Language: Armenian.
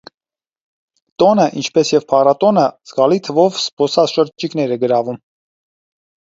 Տոնը, ինչպես և փառատոնը, զգալի թվով զբոսաշրջիկներ է գրավում։